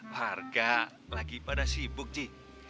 warga lagi pada sibuk nih